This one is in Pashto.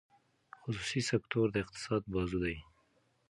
خصوصي سکتور د اقتصاد بازو دی.